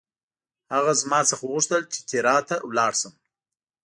هغه زما څخه وغوښتل چې تیراه ته ولاړ شم.